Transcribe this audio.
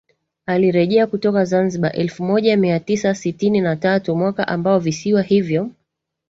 alirejea kutoka Zanzibar elfu moja mia tisa sitini na tatu mwaka ambao visiwa hivyo